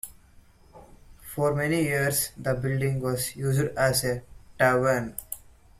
For many years the building was used as a tavern.